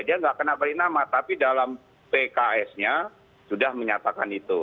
dia tidak kena balik nama tapi dalam pksnya sudah menyatakan itu